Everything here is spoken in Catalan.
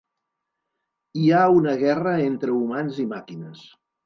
Hi ha una guerra entre humans i màquines.